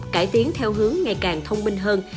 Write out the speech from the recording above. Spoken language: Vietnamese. cải tiến theo hướng ngày càng thông minh hơn